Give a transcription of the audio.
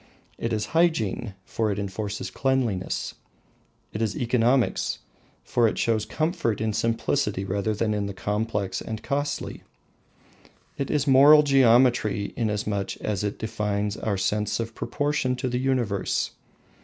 It is hygiene, for it enforces cleanliness; it is economics, for it shows comfort in simplicity rather than in the complex and costly; it is moral geometry, inasmuch as it defines our sense of proportion to the universe.